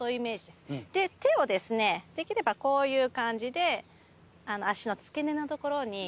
で手をできればこういう感じで足の付け根のところに。